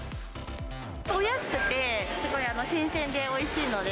安くて、すごい新鮮でおいしいので。